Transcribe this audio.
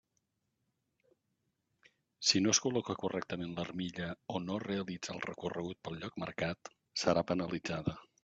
Si no es col·loca correctament l'armilla o no realitza el recorregut pel lloc marcat, serà penalitzada.